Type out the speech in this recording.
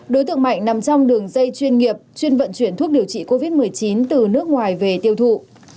đối tượng mạnh nằm trong đường dây chuyên nghiệp chuyên vận chuyển thuốc điều trị covid một mươi chín từ nước ngoài về tiêu thụ